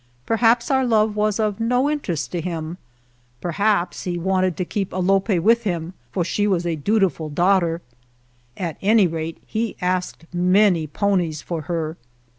Perhaps our love was of no interest to him; perhaps he wanted to keep Alope with him, for she was a dutiful daughter; at any rate he asked many ponies for her.